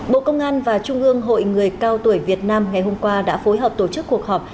bộ công an và trung ương hội người cao tuổi việt nam ngày hôm qua đã phối hợp tổ chức cuộc họp